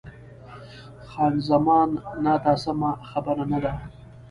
خان زمان: نه، دا سمه خبره نه ده.